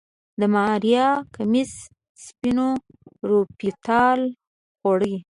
د ماريا کميس سپينو روپيو ټال خوړ.